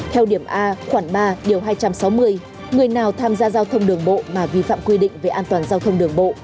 theo điểm a khoảng ba điều hai trăm sáu mươi người nào tham gia giao thông đường bộ mà vi phạm quy định về an toàn giao thông đường bộ